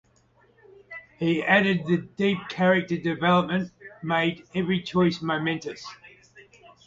He added that the deep character development made every choice "momentous".